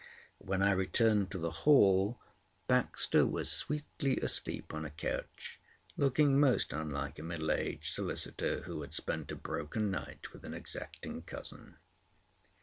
When I returned to the hall, Baxter was sweetly asleep on a couch, looking most unlike a middle aged solicitor who had spent a broken night with an exacting cousin.